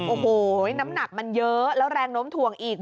โอ้โหน้ำหนักมันเยอะแล้วแรงโน้มถ่วงอีก